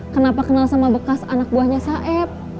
kenapa kenal sama bekas anak buahnya saeb